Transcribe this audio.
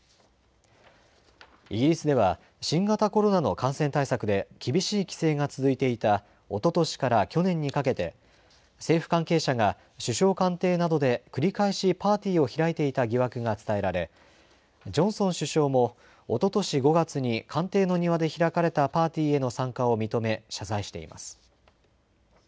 イギリスでは新型コロナの感染対策で厳しい規制が続いていたおととしから去年にかけて政府関係者が首相官邸などで繰り返しパーティーを開いていた疑惑が伝えられジョンソン首相もおととし５月に官邸の庭で開かれたパーティーへの参加を認め謝罪しています。